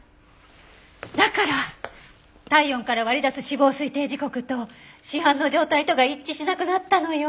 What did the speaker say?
だから体温から割り出す死亡推定時刻と死斑の状態とが一致しなくなったのよ。